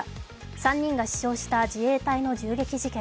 ３人が死傷した自衛隊の銃撃事件。